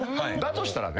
としたらね